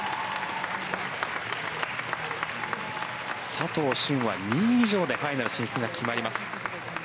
佐藤駿は２位以上でファイナル進出が決まります。